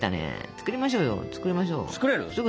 作りましょうよ。